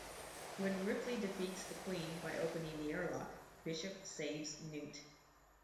When Ripley defeats the Queen by opening the airlock, Bishop saves Newt.